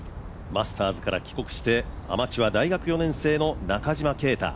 マスターズから帰国してアマチュア大学４年生の中島啓太。